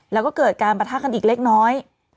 แล้วก็เกิดการประทะกันอีกเล็กน้อย